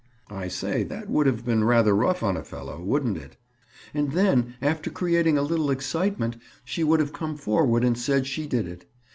"I say, that would have been rather rough on a fellow, wouldn't it?" "And then, after creating a little excitement, she would have come forward and said she did it.